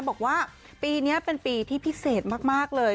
บอกว่าปีนี้เป็นปีที่พิเศษมากเลย